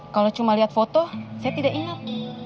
kalau cuma lihat foto saya tidak ingat